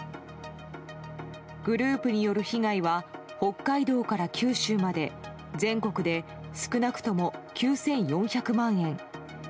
グループによる被害は北海道から九州まで全国で少なくとも９４００万円。